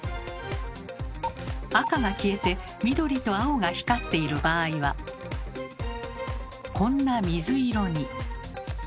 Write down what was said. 赤が消えて緑と青が光っている場合はこんな水色に。